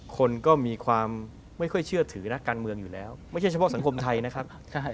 คนก็มีความไม่ค่อยเชื่อถือนักการเมืองอยู่แล้วไม่ใช่เฉพาะสังคมไทยนะครับ